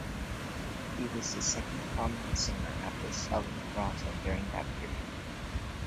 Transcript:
He was the second prominent singer after Saleem Raza during that period.